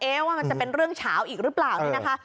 ว่ามันจะเป็นเรื่องเฉาอีกหรือเปล่าเนี่ยนะคะ